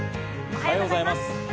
おはようございます。